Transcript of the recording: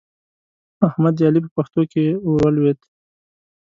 احمد د علي په پښتو کې ور ولوېد.